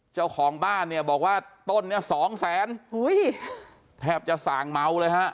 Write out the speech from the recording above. เจ้าของบ้านเนี่ยบอกว่าต้นเนี่ยสองแสนอุ้ยแทบจะส่างเมาเลยฮะ